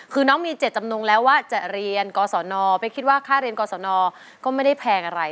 คือน้องมีเจ็ดจำนงแล้วว่าจะเรียนกศนไปคิดว่าค่าเรียนกรสนก็ไม่ได้แพงอะไร